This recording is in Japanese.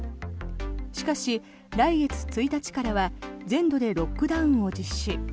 しかし、来月１日からは全土でロックダウンを実施。